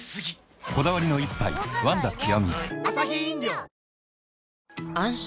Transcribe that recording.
こだわりの一杯「ワンダ極」